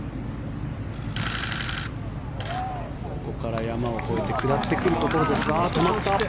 ここから山を越えて下ってくるところですが。